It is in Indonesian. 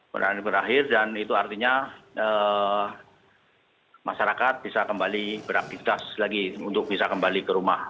penanganan berakhir dan itu artinya masyarakat bisa kembali beraktivitas lagi untuk bisa kembali ke rumah